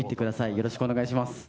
よろしくお願いします。